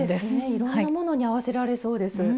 いろんなものに合わせられそうです。